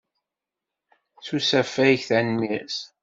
S usafag, tanemmirt.